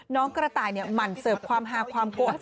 น้องกระต่ายเนี่ยหมั่นเสิร์ฟความฮาความโก๊ะ